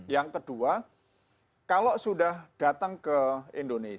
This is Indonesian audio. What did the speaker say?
yang kedua kalau sudah datang ke indonesia